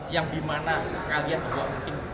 yang di mana kalian juga mungkin